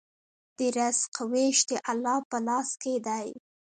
د رزق وېش د الله په لاس کې دی.